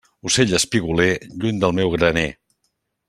Ocell espigoler, lluny del meu graner.